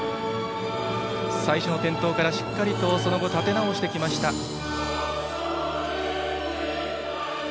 最初の転倒からしっかりとその後、立て直してきました。